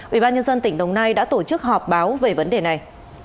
ubnd tỉnh đồng nai đã tổ chức họp báo về vấn đề này